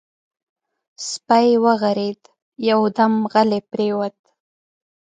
سپی وغرېد، يودم غلی پرېووت.